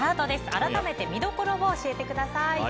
改めて見どころを教えてください。